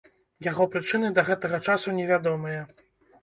Яго прычыны да гэтага часу невядомыя.